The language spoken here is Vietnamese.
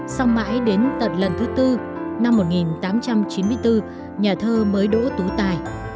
sau mãi đến tận lần thứ tư năm một nghìn tám trăm chín mươi bốn nhà thơ mới đỗ tú tài